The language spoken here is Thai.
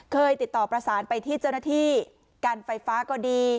เคยติดต่อประสานไปที่เจ้าหน้าที่การไฟฟ้าก็ดี